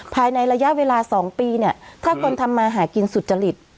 ภายในระยะเวลา๒ปีเนี่ยถ้าคนทำมาหากินสุจริต